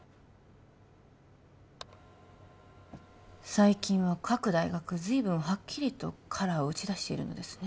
最近は各大学ずいぶんハッキリとカラーを打ち出しているのですね